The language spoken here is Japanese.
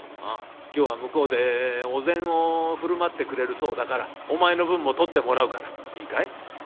「ああ今日は向こうでお膳を振る舞ってくれるそうだからお前の分も取ってもらうからいいかい？